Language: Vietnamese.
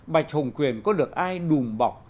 bạch hồng quyền có được ai đùm bọc